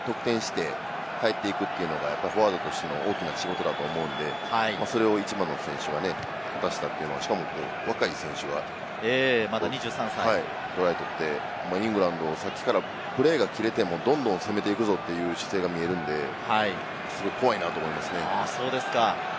入ったら得点して入っていくというのがフォワードとしての大きな仕事だと思うんで、それを１番の選手がしたというのは、しかも若い選手がしたっていうのはトライとって、イングランドはプレーが切れても、どんどん詰めていくぞという姿勢が見えるので、すごく怖いなと思いますね。